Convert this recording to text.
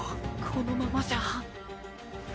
このままじゃ